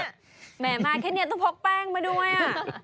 แม่แค่เนี่ยต้องพกแป้งมาด้วยอ่ะ